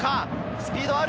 スピードがある。